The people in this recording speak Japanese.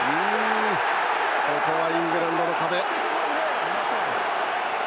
ここはイングランドの壁。